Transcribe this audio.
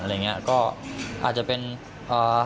อะไรอย่างเงี้ยก็อาจจะเป็นอ่า